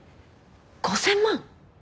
５０００万！？